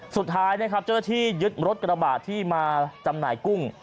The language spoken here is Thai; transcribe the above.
สุดท้ายนะครับเจ้าหน้าที่ยึดรถกระบาดที่มาจำหน่ายกุ้ง